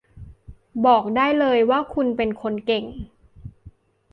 บอกได้เลยว่าคุณเป็นคนเก่ง